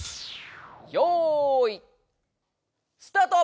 よいスタート！